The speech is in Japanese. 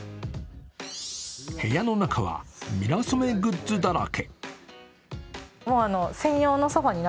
部屋の中はミラソメグッズだらけ。